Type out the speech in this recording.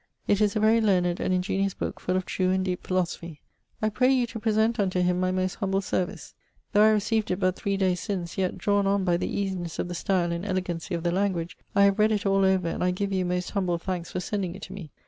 It is a very learned and ingeniose booke full of true and deepe philosophy. I pray you to present unto him my most humble service. Though I recieved it but three dayes since, yet, drawen on by the easinesse of the style and elegancy of the language, I have read it all over, and I give you most humble thankes for sending it to me.